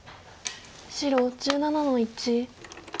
白１７の一。